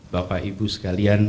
bapak ibu sekalian